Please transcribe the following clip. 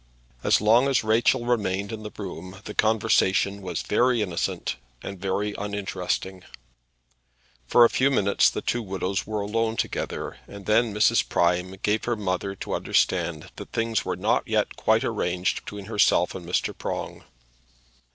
As long as Rachel remained in the room the conversation was very innocent and very uninteresting. For a few minutes the two widows were alone together, and then Mrs. Prime gave her mother to understand that things were not yet quite arranged between herself and Mr. Prong.